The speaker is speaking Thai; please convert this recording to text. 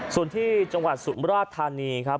ส่วนที่จังหวัดสุมราชธานีครับ